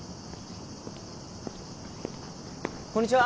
こんにちは！